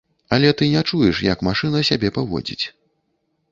Але ты не чуеш, як машына сябе паводзіць.